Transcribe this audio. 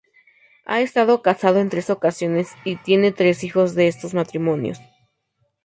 Ha estado casado en tres ocasiones y tiene tres hijos de estos matrimonios.